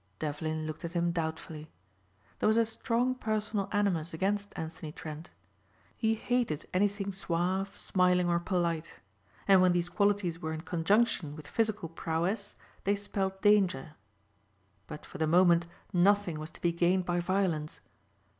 Devlin looked at him doubtfully. There was a strong personal animus against Anthony Trent. He hated anything suave, smiling or polite. And when these qualities were in conjunction with physical prowess they spelled danger. But for the moment nothing was to be gained by violence.